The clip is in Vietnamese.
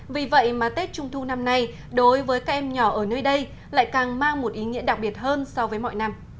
vì vậy mà tết trung thu năm nay đối với các em nhỏ ở nơi đây lại càng mang một ý nghĩa đặc biệt hơn so với mọi năm